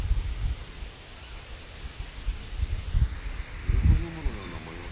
うろこ雲のような模様だ。